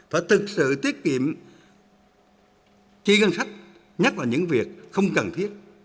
phải thực sự tiết kiệm chi ngân sách nhắc vào những việc không cần thiết